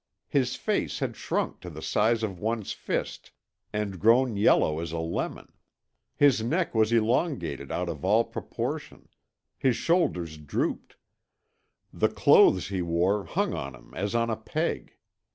His face had shrunk to the size of one's fist and grown yellow as a lemon, his neck was elongated out of all proportion, his shoulders drooped, the clothes he wore hung on him as on a peg.